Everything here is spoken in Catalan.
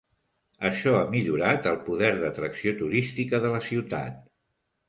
Això ha millorat el poder d'atracció turística de la ciutat.